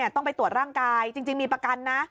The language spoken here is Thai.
ต้องไปตรวจร่างกายจริงมีประกันนะ